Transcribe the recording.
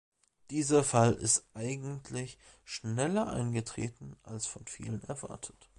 Dieser Fall ist eigentlich schneller eingetreten, als von vielen erwartet.